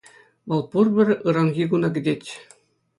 Вӑл пурпӗр ыранхи куна кӗтетчӗ.